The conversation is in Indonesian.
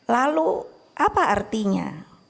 lalu apa artinya